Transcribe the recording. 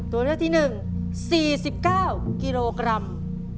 ตัวเลือกที่๑๔๙กิโลกรัม